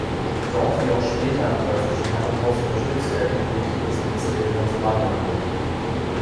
Dort wie auch später im Preußischen Herrenhaus unterstützte er die Politik des Ministeriums Brandenburg.